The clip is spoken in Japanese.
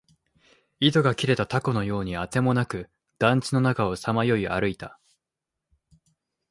糸が切れた凧のようにあてもなく、団地の中をさまよい歩いた